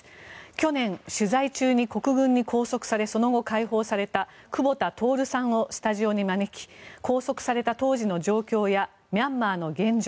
去年、取材中に国軍に拘束されその後、解放された久保田徹さんをスタジオに招き拘束された当時の状況やミャンマーの現状